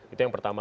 itu yang pertama